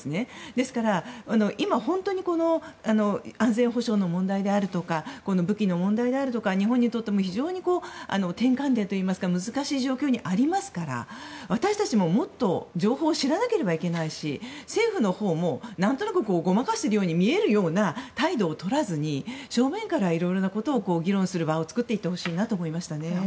ですから今、本当に安全保障の問題であるとか武器の問題であるとか日本にとっても非常に転換点といいますか難しい状況にありますから私たちも、もっと情報を知らなくてはいけないし政府のほうも何となくごまかしてるように見えるような態度をとらずに正面からいろいろなことを議論する場を作っていってほしいと思いました。